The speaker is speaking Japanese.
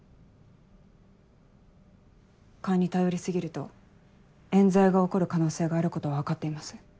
勘に頼り過ぎると冤罪が起こる可能性があることは分かっています。